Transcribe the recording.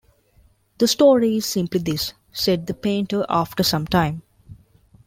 "The story is simply this," said the painter after some time.